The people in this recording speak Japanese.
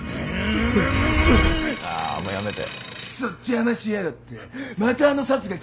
あもうやめて。